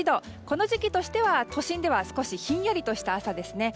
この時期としては、都心では少しひんやりとした朝ですね。